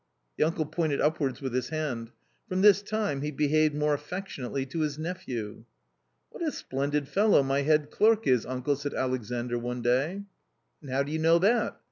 The uncle pointed upwards with his hand. From this time he behaved more affectionately to his nephew. " What a splendid fellow my head clerk is, uncle !" said Alexandr one day. " And how do you know that ?